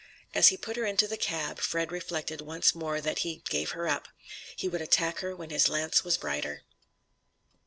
As he put her into the cab, Fred reflected once more that he "gave her up." He would attack her when his lance was brighter.